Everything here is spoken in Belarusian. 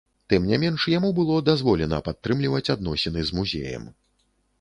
Тым не менш, яму было дазволена падтрымліваць адносіны з музеем.